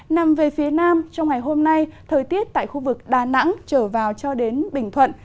nằm về phía nam trong ngày hôm nay thời tiết tại khu vực đà nẵng trở vào cho đến bình thuận